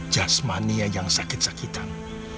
jasmania yang sakit sakitan